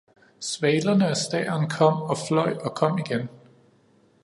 Svalerne og stæren kom og fløj og kom igen